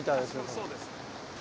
そうですね。